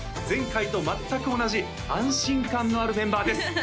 前回と全く同じ安心感のあるメンバーです